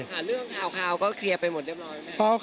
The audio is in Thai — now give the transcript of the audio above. ค่ะเรื่องข่าวก็เคลียร์ไปหมดเรียบร้อยไหม